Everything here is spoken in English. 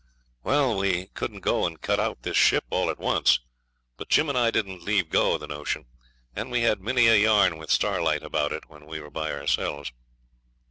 Well, we couldn't go and cut out this ship all at once, but Jim and I didn't leave go of the notion, and we had many a yarn with Starlight about it when we were by ourselves.